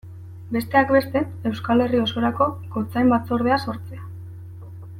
Besteak beste Euskal Herri osorako gotzain batzordea sortzea.